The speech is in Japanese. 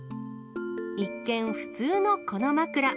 一見、普通のこの枕。